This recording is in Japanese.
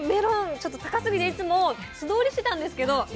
ちょっと高すぎていつも素通りしてたんですけど